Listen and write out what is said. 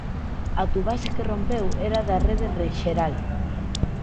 A tubaxe que rompeu era da rede xeral.